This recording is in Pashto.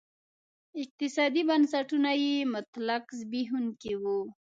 اقتصادي بنسټونه یې مطلق زبېښونکي وو.